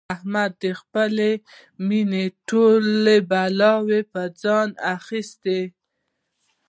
احمد د خپلې مینې ټولې بلاوې په ځان اخلي.